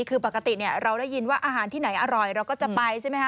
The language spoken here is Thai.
คือปกติเราได้ยินว่าอาหารที่ไหนอร่อยเราก็จะไปใช่ไหมคะ